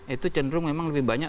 itu cenderung memang lebih banyak